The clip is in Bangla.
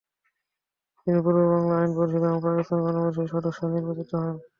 তিনি পূর্ববাংলা আইন পরিষদ এবং পাকিস্তান গণপরিষদের সদস্য নির্বাচিত হন।